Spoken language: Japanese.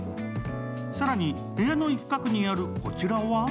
更に部屋の一角にあるこちらは。